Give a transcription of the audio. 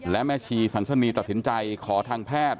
และแม่ชีสันสนีตัดสินใจขอทางแพทย์